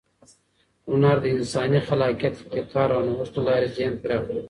هنر د انساني خلاقیت، ابتکار او نوښت له لارې ذهن پراخوي.